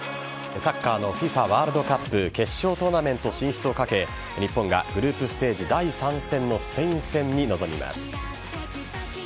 サッカーのＦＩＦＡワールドカップ決勝トーナメント進出をかけ日本がグループステージ第３戦のスペイン戦に臨みます。